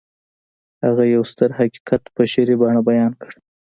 هغه يو ستر حقيقت په شعري بڼه بيان کړ.